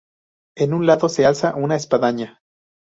En un lado se alza una espadaña.